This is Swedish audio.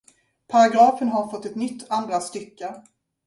Paragrafen har fått ett nytt andra stycke.